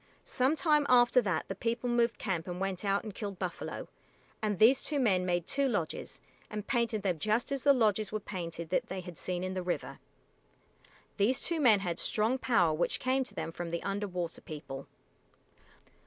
Some time after that the people moved camp and went out and killed buffalo, and these two men made two lodges, and painted them just as the lodges were painted that they had seen in the river. These two men had strong power which came to them from the Under water People.